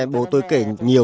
bố tôi kể nhiều